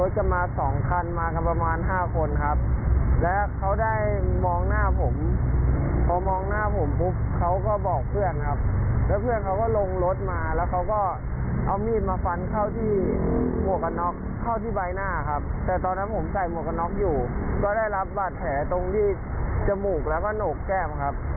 จมูกแล้วก็โหนกแก้มครับ